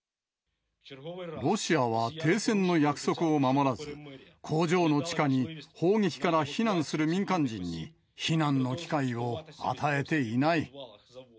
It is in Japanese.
ロシアは停戦の約束を守らず、工場の地下に砲撃から避難する民間人に避難の機会を与えていない。